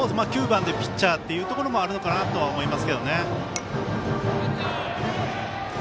９番でピッチャーというところもあるのかなとは思いますけどね。